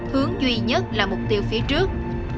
hướng duy nhất là mục tiêu phía trước